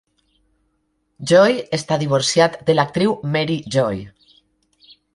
Joy està divorciat de l'actriu Mary Joy.